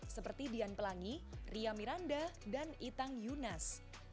seperti dian pelangi ria miranda dan itang yunas